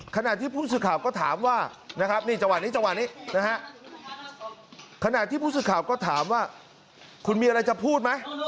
ขณะที่ผู้สึกข่าวก็ถามว่าคุณมีอะไรจะพูดไหม